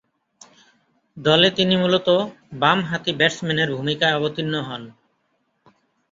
দলে তিনি মূলতঃ বামহাতি ব্যাটসম্যানের ভূমিকায় অবতীর্ণ হন।